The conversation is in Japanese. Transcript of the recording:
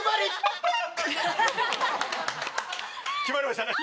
決まりましたね。